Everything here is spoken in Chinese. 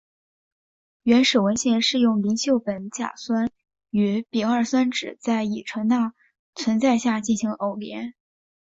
原始文献是用邻溴苯甲酸与丙二酸酯在乙醇钠存在下进行偶联。